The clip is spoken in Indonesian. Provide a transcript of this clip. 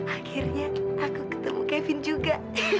akhirnya aku ketemu kevin juga